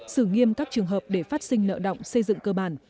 xử nghiêm các trường hợp để phát sinh nợ động xây dựng cơ bản